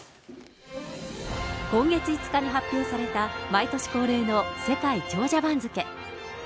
今月５日に発表された、毎年恒例の世界長者番付。